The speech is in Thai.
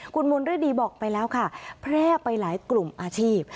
คุณมนต์ฤดีบอกไปแล้วค่ะแพร่ไปหลายกลุ่มอาชีพ